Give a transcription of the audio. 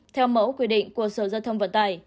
theo mẫu quy định của sở gia thông vận tài